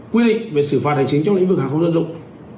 quy định về xử phạt hành chính trong lĩnh vực hàng không dân dụng